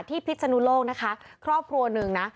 พิษนุโลกนะคะครอบครัวหนึ่งนะ